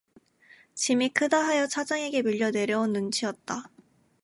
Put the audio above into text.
짐이 크다 하여 차장에게 밀려 내려온 눈치였다.